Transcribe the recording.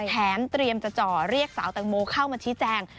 แถมเตรียมจะจ่อเรียกสาวแตงโมเข้ามาชี้แจง